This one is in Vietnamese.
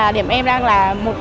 điểm em đang là một ba trăm linh